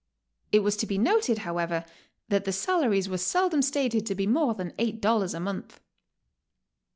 It was to be noted, however, that the salaries were seldom stated to be more than $8 a month.